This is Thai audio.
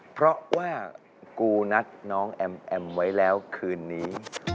เพราะว่ากูนัดน้องแอมแอมไว้แล้วคืนนี้